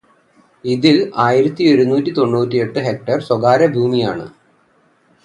ഇതില് ആയിരത്തി ഒരു നൂറ്റി തൊണ്ണൂറ്റിയെട്ട് ഹെക്ടര് സ്വകാര്യ ഭൂമിയാണ്.